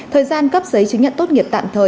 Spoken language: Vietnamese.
thời gian cấp giấy chứng nhận tốt nghiệp tạm thời